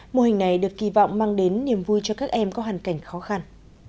mô hình này được kỳ vọng mang đến niềm vui cho các em có hoàn cảnh khó khăn